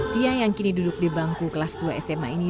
tia yang kini duduk di bangku kelas dua sma ini